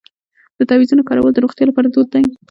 د تعویذونو کارول د روغتیا لپاره دود دی.